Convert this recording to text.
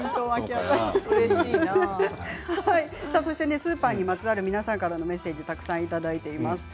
スーパーにまつわる皆さんからのメッセージたくさんいただいています。